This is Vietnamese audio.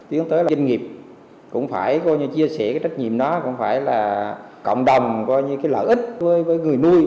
tiếng tới là doanh nghiệp cũng phải chia sẻ trách nhiệm đó cũng phải là cộng đồng lợi ích với người nuôi